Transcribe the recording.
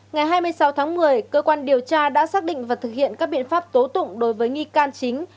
ngày hai mươi sáu tháng một mươi cơ quan điều tra đã xác định và thực hiện các biện pháp tố tụng đối với nghi can chính